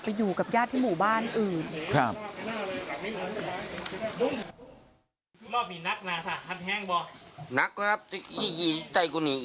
อยู่กับญาติที่หมู่บ้านอื่น